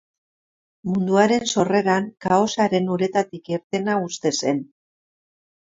Munduaren sorreran kaosaren uretatik irtena uste zen.